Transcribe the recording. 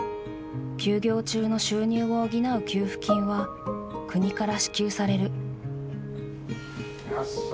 休業中の収入を補う給付金は国から支給される。